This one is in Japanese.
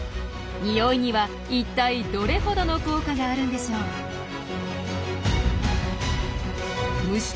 においにはいったいどれほどの効果があるんでしょう？